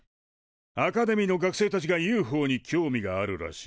アカデミーの学生たちがＵＦＯに興味があるらしい。